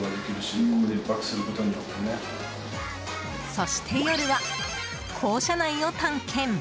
そして、夜は校舎内を探検。